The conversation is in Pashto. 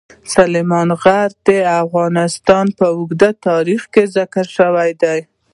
سلیمان غر د افغانستان په اوږده تاریخ کې ذکر شوی دی.